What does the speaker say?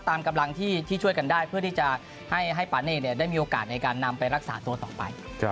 ตามกำลังที่ช่วยกันได้เพื่อที่จะให้ปาเน่ได้มีโอกาสในการนำไปรักษาตัวต่อไป